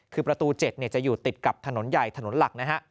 คือประตู๗จะอยู่ติดกับถนนใหญ่ถนนหลักนะฮะ